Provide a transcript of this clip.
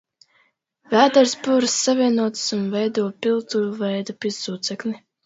Vēdera spuras savienotas un veido piltuvveida piesūcekni.